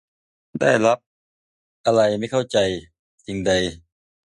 ได้รับ อะไรไม่เข้าใจ สิ่งใด